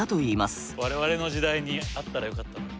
我々の時代にあったらよかった。